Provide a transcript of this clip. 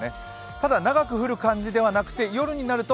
ただ、長く降る感じではなくて夜になると、